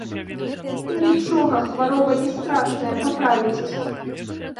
Нічога, хвароба не страшная, паправіцеся.